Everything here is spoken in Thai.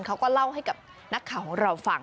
เขาก็เล่าให้กับนักข่าวของเราฟัง